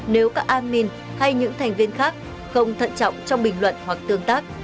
nếu các an minh hay những thành viên khác không thận trọng trong bình luận hoặc tương tác